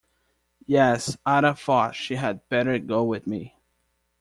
Yes, Ada thought she had better go with me.